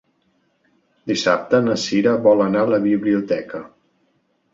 Dissabte na Sira vol anar a la biblioteca.